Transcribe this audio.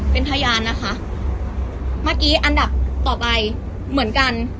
เป็นพยานนะคะเมื่อกี้อันดับต่อไปเหมือนกัน